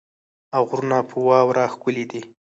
او غرونه په واوره ښکلې دي.